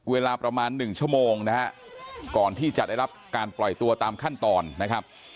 เวลาประมาณ๑ชั่วโมงนะฮะก่อนที่จะได้รับการปล่อยตัวตามขั้นตอนนะครับ